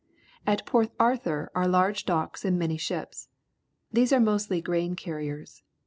At Port Arthur are large docks and many ships. These are mostly grain carriers.